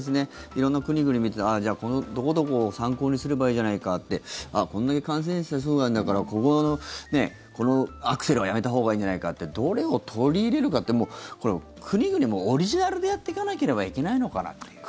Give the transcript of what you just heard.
色んな国々を見てじゃあ、どこどこを参考にすればいいじゃないかってこれだけ感染者がいるからこのアクセルはやめたほうがいいんじゃないかとどれを取り入れるかって国々もオリジナルでやっていかなければいけないのかなという。